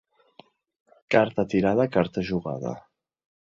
Carta tirada, carta jugada.